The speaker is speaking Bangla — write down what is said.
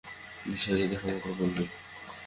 মিশাইল দেখামাত্রই বলবে।